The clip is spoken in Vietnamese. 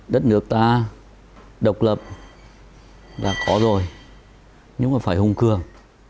đất nước ta độc lập đã có rồi nhưng mà phải hùng cường